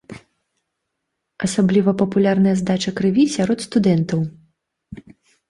Асабліва папулярная здача крыві сярод студэнтаў.